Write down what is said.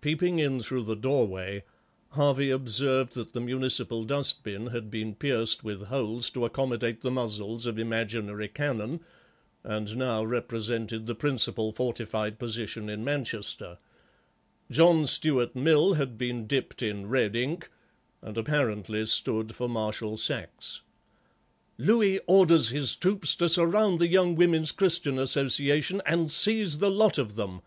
Peeping in through the doorway Harvey observed that the municipal dust bin had been pierced with holes to accommodate the muzzles of imaginary cannon, and now represented the principal fortified position in Manchester; John Stuart Mill had been dipped in red ink, and apparently stood for Marshal Saxe. "Louis orders his troops to surround the Young Women's Christian Association and seize the lot of them.